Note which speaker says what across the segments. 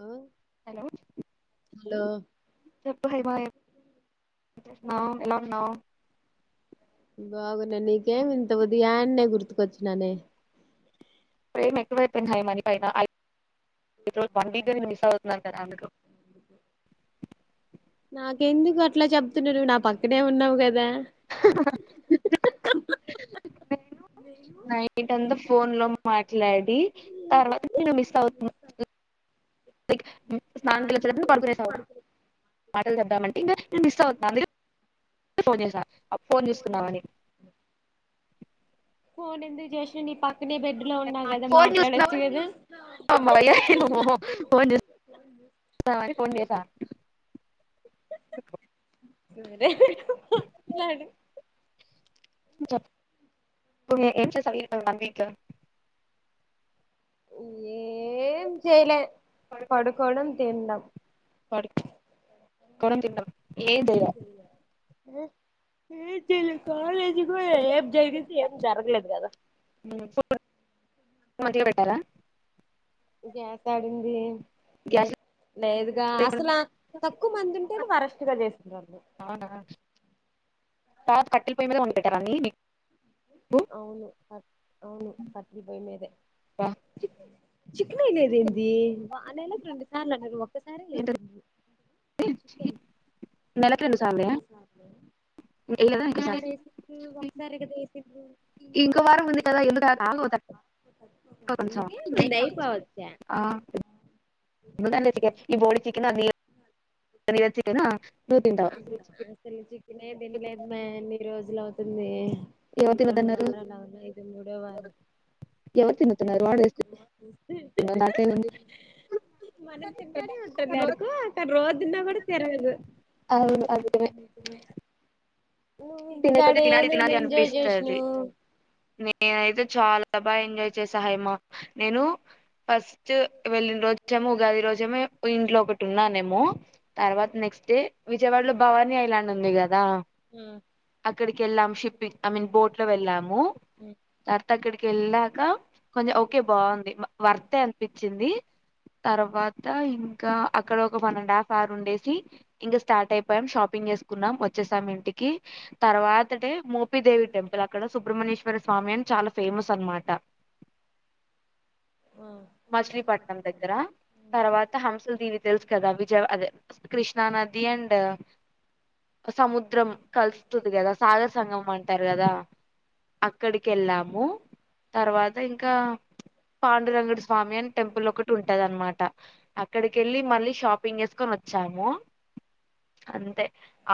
Speaker 1: hello
Speaker 2: hello
Speaker 1: hello
Speaker 2: చెప్ప హమా ఎలా ఉన్నావు
Speaker 1: బాగున్నా నీకేమి ఇంత ఉదగాన్నే గుర్తుకొచ్చిననే
Speaker 2: ప్రేమ ఎకువై హై మని పైనా ఇప్పు పం మిస్తున్నా కద
Speaker 1: నాకెందుకు అట్లా చెప్తున్నా నువ్వు నా పక్కనేే ఉన్నావు కదా
Speaker 2: నేను నైట్ అంతా ఫోన్ లో మాట్లాడి తర్వాత నను మిస్ అవుతున్నా నగుల చ పార్కునేస మాటలు చెద్దామంటే నేను మిస్ అవుతుాను అందు ఫోన్ చేసా ఫోన్ చేస్తున్నామని
Speaker 1: ఫోన్ ఎందుకు చేసిన నీ పక్క న బెడ్ లో ఉన్నా కదా మాట్లాడొచ్చు కదా
Speaker 2: అమ్ వయ్యనున్ ఫన్ చేస
Speaker 1: సరను
Speaker 2: ఎంది
Speaker 1: ఏం చేయలే పడుకోడం తింటం
Speaker 2: కొరంతంటం ఏద
Speaker 1: మ్మ్ తెలు [unintelligible] ఇప్పుడు ఏం జరిగింది
Speaker 2: చేయలే
Speaker 1: ఏం జరగలేదు కదా
Speaker 2: [unintelligible] పెట్టాలా
Speaker 1: గ్యాస్ యాడుంది
Speaker 2: గ్యాస్
Speaker 1: లేదుగా అసలు
Speaker 2: లేకుండా
Speaker 1: ఆ ఎక్కువ మంది ఉంటే వరస్టుగా చేస్తారు
Speaker 2: అవునా తా కట్టెల పొయ్యి మీద వండి పెట్టేదాన్ని
Speaker 1: అవునా అవును కట్టెల పొయ్యి మీదే
Speaker 2: బా
Speaker 1: చిట్నీ ఈలేదెంది వానలు రెండు సార్లు అన్నారు ఒక్కసారే
Speaker 2: ఏంటది
Speaker 1: చేసింది చికెన్ నెలకి రెండు సార్లు
Speaker 2: వేయలేదా ఇంకో సారి ఇంకో వారం
Speaker 1: [inaudible]
Speaker 2: ఉంది కదా ఎందుకు ఆ- ఆగు తక్కువ కొంచెం
Speaker 1: [inaudible]
Speaker 2: [unintelligible] ఈ బోడి చికన్ అది నీరజ్ చికెన్ నువ్వు తింటావు
Speaker 1: అసలు చికనే తినలేదు మ ఎన్ని రోజులువు ంది
Speaker 2: ఎవరు
Speaker 1: రెండు
Speaker 2: తినొద్దన్నారు
Speaker 1: వారలున్నా ఇద మూడో వారం
Speaker 2: ఎవరు తినతున్నారు [inaudible]
Speaker 1: మనం తింటనే ఉంటులే అడుకు అక్కడ రోజున్నా కూడా తిరగదు
Speaker 2: అవును [inaudible]
Speaker 1: నువ్వు
Speaker 2: తిన
Speaker 1: ఇంటికాడ
Speaker 2: తినాల తినాలీ
Speaker 1: ఏమేమి
Speaker 2: తినాలి
Speaker 1: ఎంజాయ్
Speaker 2: అనిపిస్తది
Speaker 1: చేసినవ్
Speaker 2: చాలా బా ఎంజాయ్ చేసా హైమా నేను ఫస్ట్ వెళ్ళిన రోజేమో గానీ ఈ రోజేమో ఇంట్లో ఒకటి ఉన్నానేమో తర్వాత నెక్స్ట్ డే విజయవాడలో భవానీ ఐలాండ్ ఉంది కదా
Speaker 1: ఆ
Speaker 2: అక్కడికి వెళ్ళాం షిప్పింగ్ ఐ మీన్ బోట్ లో వెళ్ళాము [unintelligible] అక్కడికి వెళ్ళాక కొంచెం ఓకే బాగుంది వర్తే అనిపించింది తర్వాత ఇంకా అక్కడ ఒక వన్ అండ్ హాఫ్ అవర్ ఉండేసి ఇంకా స్టార్ట్ అయిపోయాం షాపి పింగ్ చేసుకున్నాం వచ్చేసామ్ ఇంటికి తర్వాతే మోపిదేవి టెంపుల్ అక్కడ సుబ్రహమన్యే ్వర స్వామీ అని చాలా ఫేమస్ అనమాట
Speaker 1: ఆ
Speaker 2: మచిలీపట్నం దగ్గర తర్వాత హంసల్ దీవి తెలుసు కదా విజయ్ అదే క్రిష్ణా నది అండ్ సముద్రం కలుస్తుంది కదా సాగర సంగమం అంటారు కదా అక్కడికి వెళ్ళాము తర్వాత ఇంకా పాండురంగడు స్వామి అని టెంపుల్ ఒకటి ఉంటుదనమాట ఇక్కడికి వెళ్ళి మళ్ళీ షాపింగ్ చేసుకొని వచ్చాము అంతే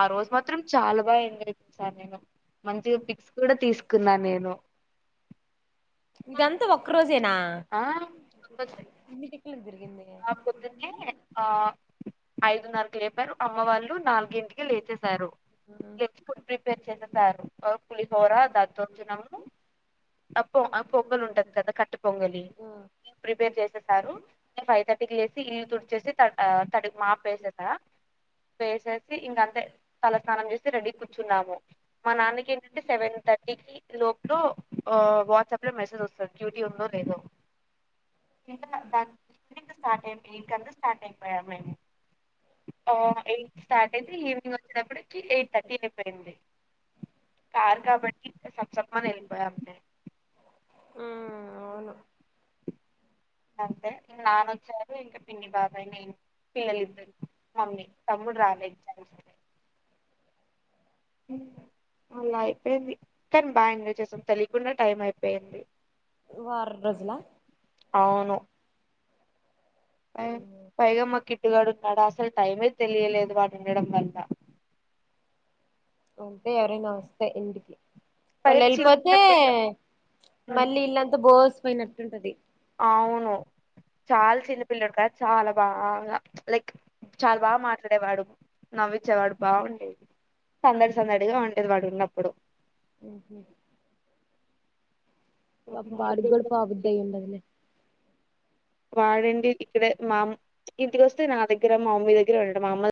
Speaker 2: ఆ రోజు మాత్రం చాలా [unintelligible] మంచిగా పిక్స్ కూడా తీసుకున్నా నేను
Speaker 1: ఇదంతా ఒక్క రోజేనా
Speaker 2: ఆ రోజే
Speaker 1: తిక్కులకు తిరిగింది
Speaker 2: ఆ పొద్దున్నే ఆ ఐదున్నరకు లేపారు అమ్మ వాళ్ళు నాలుగింటికి లేచసారు లే ఫుడ్ ప్రిపేర్ చేసేస్తారు పులిహోర దద్దోజనం ఆ పొ ఆ పొంగలి ఉంటది కదా కట్టె పొంగలి ప్రిపేర్ చేసింటారు ఫైవ్ థర్టీకి లేసి ఇల్లు తుడిచేసి త తడి మాపేసేసా వేసేసి ఇంకంతే తలస్నానం చేసి రెడీగా కూర్చున్నాము మా నాన్నకి ఏంటంటే సెవెన్ థర్టీ లోపలో వాట్సాప్ లో మెసేజ్ వస్తంది డ్యూటీ ఉందో లేదో ఇంకా దా స్ార్ అయిపో ఇంకా స్టార్ట్ అయిపోయా మే ఎయిట్ స్టార్ట్ అయితే ఈవినింగ్ వచ్చేటప్పటికి ఎయిట్ థర్టీ అయిపోయింది కారు కాబట్టి సప్సప్పని వెళ్ళిపోయాం మేము
Speaker 1: ఆ అవును
Speaker 2: అంతే నాన్న వచ్చారు ఇంకా పిన్ని, బాబాయ్, నేను పిల్లలిద్దరు మమ్మీ, తమ్ముడు రాలే ఎగ్జామ్స్ అని మ్మ్ అలా అయిపోయింది కానీ బాగా ఎంజాయ్ చేసాం తెలియకుండా టైం అయిపోయింది
Speaker 1: ప్రజ్లా
Speaker 2: అవును పై పైగా మా కిట్టుగాడు ఉన్నాడు అసలు టైమే తెలియలేదు పాటుడంం వంద
Speaker 1: అంతే ఎరే న వస్తే ఇంటికి వాళ్ళు
Speaker 2: పైగా చిన్న
Speaker 1: వెళ్ళిపోతే
Speaker 2: పిల్లోడు
Speaker 1: మళ్ళీ ఇల్లంతా బోసపోయినట్టుంటది
Speaker 2: అవును చాలా చిన్న పిల్లడు కదా చాలా బాగా లైక్ చాలా బాగా మాట్లాడేవాడు నవ్వించేవాడు బాగుండేది సందడి సందడిగా ఉండేది వాడు ఉన్నప్పుడు
Speaker 1: అహ వాడిగ కూడా
Speaker 2: పాడు
Speaker 1: పావుద్ద్దయిండదిలే
Speaker 2: వాడండి ఇక్కడ మా ఇంటికి వస్తే నా దగ్గర మా అమ్మ దగ్గర ఉండండి మామ్మ